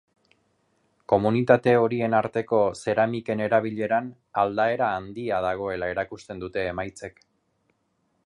Komunitate horien arteko zeramiken erabileran aldaera handia dagoela erakusten dute emaitzek.